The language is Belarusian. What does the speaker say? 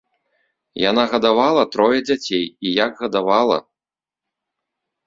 Яна гадавала трое дзяцей, і як гадавала!